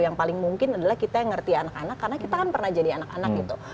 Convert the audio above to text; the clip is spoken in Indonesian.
yang paling mungkin adalah kita yang ngerti anak anak karena kita kan pernah jadi anak anak gitu